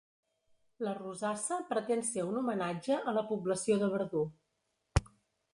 La rosassa pretén ser un homenatge a la població de Verdú.